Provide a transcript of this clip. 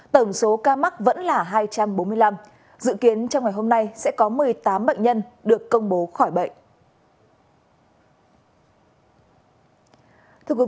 tổng số ca mắc vẫn là hai trăm bốn mươi năm dự kiến trong ngày hôm nay sẽ có một mươi tám bệnh nhân được công bố khỏi bệnh